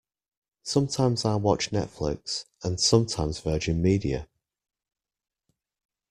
Sometimes I watch Netflix, and sometimes Virgin Media.